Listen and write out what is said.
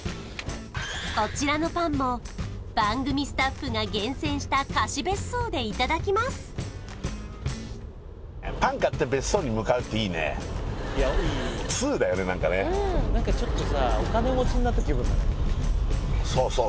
こちらのパンも番組スタッフが厳選した貸別荘でいただきます何かねさあさあさあさあ